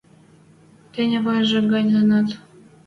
Тӹнь ӓвӓжӹ гань линӓт.